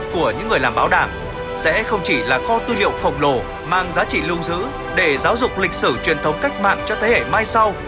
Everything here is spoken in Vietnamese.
của những người làm báo đảm sẽ không chỉ là kho tư liệu khổng lồ mang giá trị lưu giữ để giáo dục lịch sử truyền thống cách mạng cho thế hệ mai sau